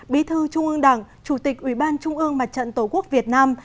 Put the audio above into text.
bí thư trung ương đảng chủ tịch ủy ban trung ương mặt trận tổ quốc việt nam